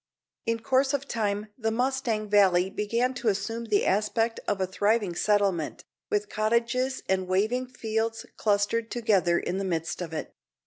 In course of time the Mustang Valley began to assume the aspect of a thriving settlement, with cottages and waving fields clustered together in the midst of it.